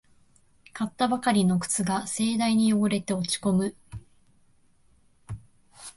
買ったばかりの靴が盛大に汚れて落ちこむ